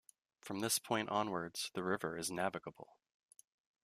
From this point onwards the river is navigable.